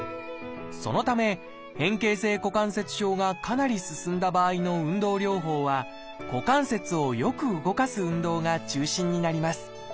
そのため変形性股関節症がかなり進んだ場合の運動療法は股関節をよく動かす運動が中心になります。